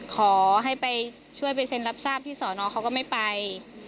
ขอให้ไปช่วยไปเซ็นรับทราบที่สอนอเขาก็ไม่ไป